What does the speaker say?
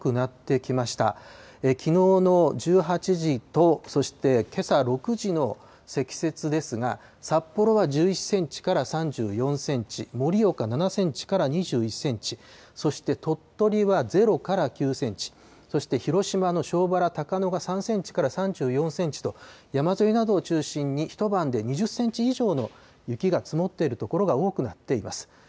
きのうの１８時とそしてけさ６時の積雪ですが、札幌は１１センチから３４センチ、盛岡７センチから２１センチ、そして鳥取は０から９センチ、そして広島の庄原、高野が３センチから３４センチと、山沿いなどを中心に一晩で２０センチ以上の雪が積もっている所が多くなっています。